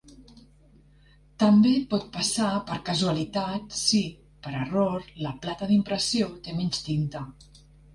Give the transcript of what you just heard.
També pot passar per casualitat si, per error, la plata d'impressió té menys tinta.